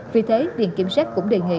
vì thế viện kiểm soát cũng đề nghị